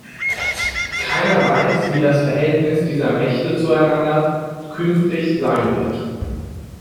Keiner weiß, wie das Verhältnis dieser Mächte zueinander künftig sein wird.